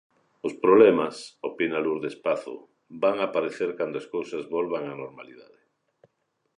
Os problemas, opina Lourdes Pazo, van aparecer cando as cousas volvan á normalidade.